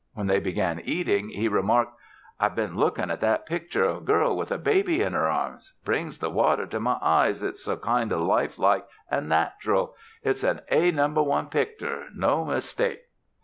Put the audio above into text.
When they began eating he remarked, "I've been lookin' at that pictur' of a girl with a baby in her arms. Brings the water to my eyes, it's so kind o' life like and nat'ral. It's an A number one pictur' no mistake."